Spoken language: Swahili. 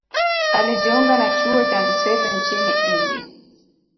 Alijiunga na chuo cha mseto nchini India